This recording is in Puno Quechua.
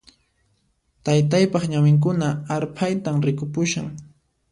Taytaypaq ñawinkuna arphaytan rikupushan